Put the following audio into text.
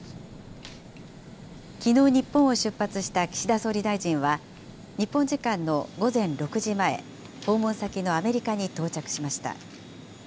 きのう日本を出発した岸田総理大臣は、日本時間の午前６時前、訪問先のアメリカに到着しました。